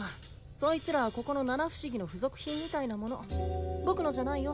そいつらはここの七不思議の付属品みたいなもの僕のじゃないよ